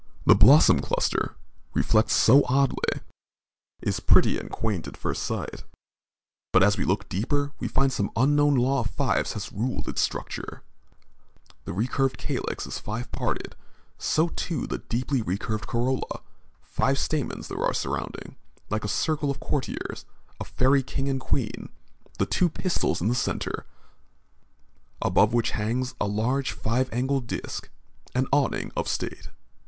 The blossom cluster, reflexed so oddly, is pretty and quaint at first sight, but as we look deeper we find some unknown law of fives has ruled its structure the recurved calyx is five parted, so too the deeply recurved corolla; five stamens there are surrounding, like a circle of courtiers, a fairy king and queen, the two pistils in the center, above which hangs "a large five angled disk," an awning of state.